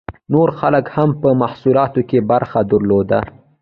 نورو خلکو هم په محصولاتو کې برخه درلوده.